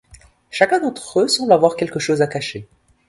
Chacun d'entre eux semble avoir quelque chose à cacher.